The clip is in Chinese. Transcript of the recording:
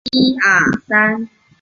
内蒙邪蒿